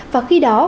và khi đó